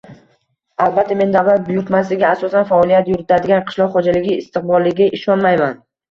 Albatta, men davlat buyurtmasiga asosan faoliyat yuritadigan qishloq xo‘jaligi istiqboliga ishonmayman.